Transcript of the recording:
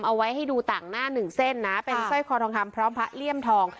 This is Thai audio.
เอาไว้ให้ดูต่างหน้าหนึ่งเส้นนะเป็นสร้อยคอทองคำพร้อมพระเลี่ยมทอง